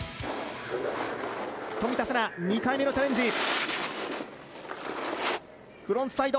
冨田せな、２回目のチャレンジ。